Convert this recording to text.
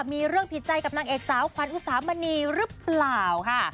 มีเรื่องผิดใจกับนางเอกสาวขวัญอุสามณีหรือเปล่าค่ะ